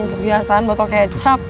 kebiasaan botol kecap